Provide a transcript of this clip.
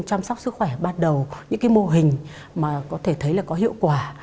chăm sóc sức khỏe ban đầu những mô hình có hiệu quả